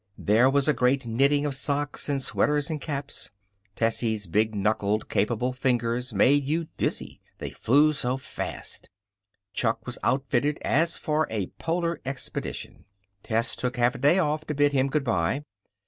There was a great knitting of socks and sweaters and caps. Tessie's big knuckled, capable fingers made you dizzy, they flew so fast. Chuck was outfitted as for a polar expedition. Tess took half a day off to bid him good by.